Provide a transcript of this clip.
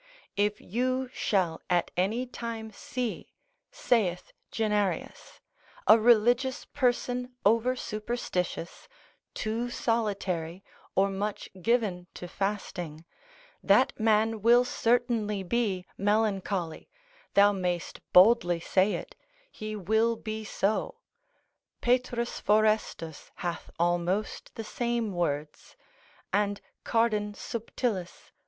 If you shall at any time see (saith Guianerius) a religious person over superstitious, too solitary, or much given to fasting, that man will certainly be melancholy, thou mayst boldly say it, he will be so. P. Forestus hath almost the same words, and Cardan subtil, lib.